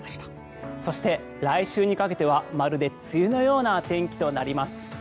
そして、来週にかけてはまるで梅雨のような天気となります。